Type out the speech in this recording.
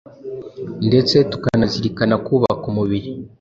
ndetse tukanazirikana kubaka umubiri